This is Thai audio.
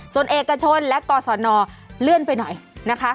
ส่วนเอกชนและกศนเลื่อนไปหน่อยนะคะ